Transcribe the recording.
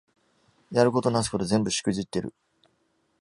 やることなすこと全部しくじってる